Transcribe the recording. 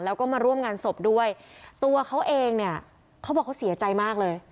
แล้วก็มาร่วมงานศพด้วยตัวเขาเองเนี่ยเขาบอกเขาเสียใจมากเลย